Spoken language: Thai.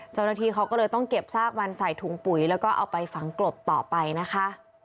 เจ้าหน้าที่เขาก็เลยต้องเก็บซากมันใส่ถุงปุ๋ยแล้วก็เอาไปฝังกลบต่อไปนะคะ